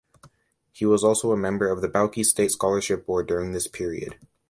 He was also a member of the Bauchi State Scholarship Board during this period.